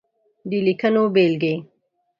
د ليکنو بېلګې :